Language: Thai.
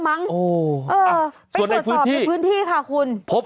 มั้งโอ้โหเอ่อส่วนในพื้นที่ไปปัดสอบค่ะคุณพบ